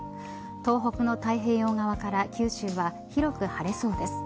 東北の太平洋側から九州は広く晴れそうです。